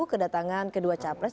kedatangan kedua capres